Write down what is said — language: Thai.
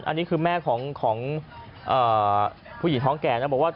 อันนี้คือแม่ของผู้หญิงท้องแก่นะบอกว่า